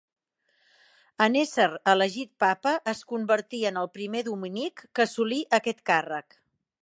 En ésser elegit papa, es convertí en el primer dominic que assolí aquest càrrec.